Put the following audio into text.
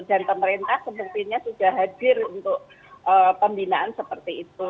dan pemerintah sebetulnya sudah hadir untuk pembinaan seperti itu